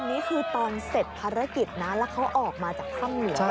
อันนี้คือตอนเสร็จภารกิจนะแล้วเขาออกมาจากข้างเหลือ